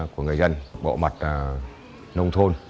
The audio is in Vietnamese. của người dân bộ mặt nông thôn